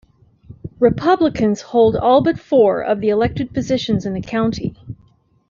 Republicans hold all but four of the elected positions in the county.